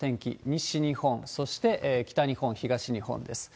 西日本、そして北日本、東日本です。